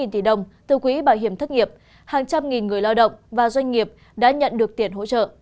một mươi tỷ đồng từ quỹ bảo hiểm thất nghiệp hàng trăm nghìn người lao động và doanh nghiệp đã nhận được tiền hỗ trợ